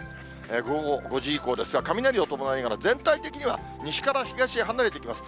午後５時以降ですが、雷を伴いながら全体的には西から東へ離れていきます。